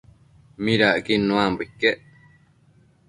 midacquid nuambo iquec?